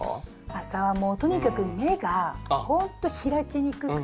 朝はもうとにかく目がほんと開きにくくてむくんでます。